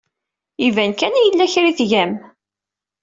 Iban kan yella kra ay tgam.